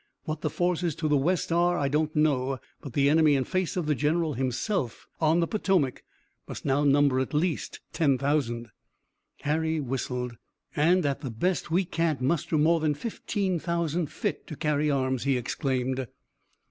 What the forces to the west are I don't know but the enemy in face of the general himself on the Potomac must now number at least ten thousand." Harry whistled. "And at the best we can't muster more than fifteen thousand fit to carry arms!" he exclaimed.